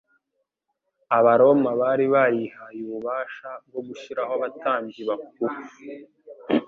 Abaroma bari barihaye ububasha bwo gushyiraho abatambyi bakuru,